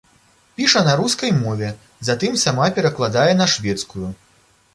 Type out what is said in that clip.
Піша на рускай мове, затым сама перакладае на шведскую.